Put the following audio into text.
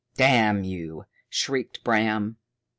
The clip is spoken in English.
"Damn you," shrieked Bram.